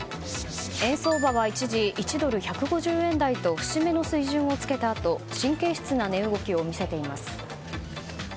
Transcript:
円相場は一時１ドル＝１５０円台と節目の水準をつけたあと神経質な値動きを見せています。